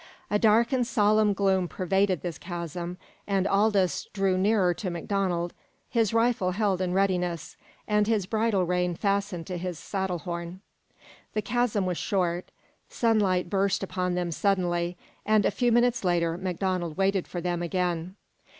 A dark and solemn gloom pervaded this chasm, and Aldous drew nearer to MacDonald, his rifle held in readiness, and his bridle rein fastened to his saddle horn. The chasm was short. Sunlight burst upon them suddenly, and a few minutes later MacDonald waited for them again.